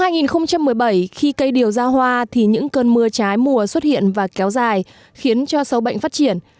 năm hai nghìn một mươi bảy khi cây điều ra hoa thì những cơn mưa trái mùa xuất hiện và kéo dài khiến cho sâu bệnh phát triển